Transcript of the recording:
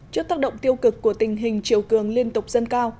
trước tác động tiêu cực của tình hình triều cường liên tục dân cao